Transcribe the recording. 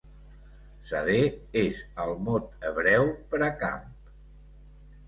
Sadeh és el mot hebreu per a "camp".